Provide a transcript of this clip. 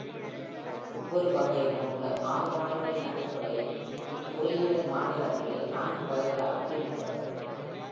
ஒவ்வொரு வகையிலும் உள்ள மாறுபாடுகளின் அடிப்படையில் இக்குறியீடு மாநிலங்களை நான்கு வகைகளாகப் பிரிக்கிறது.